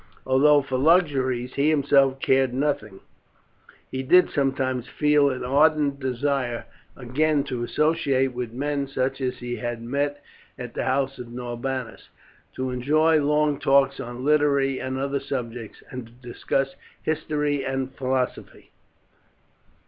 Although for luxuries he himself cared nothing, he did sometimes feel an ardent desire again to associate with men such as he had met at the house of Norbanus, to enjoy long talks on literary and other subjects, and to discuss history and philosophy.